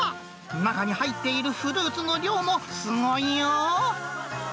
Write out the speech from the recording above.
中に入っているフルーツの量もすごいよー。